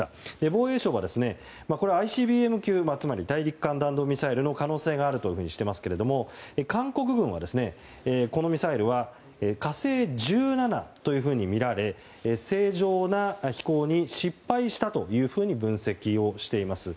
防衛省はＩＣＢＭ級つまり大陸間弾道ミサイルの可能性があるとしていますが韓国軍は、このミサイルは「火星１７」とみられ正常な飛行に失敗したと分析しています。